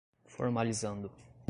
formalizando